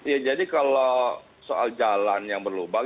ya jadi kalau soal jalan yang berlubang